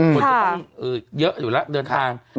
คนจะต้องเยอะอยู่แล้วเดินทาง